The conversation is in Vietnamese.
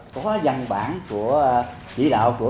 có dân bản của chỉ đạo của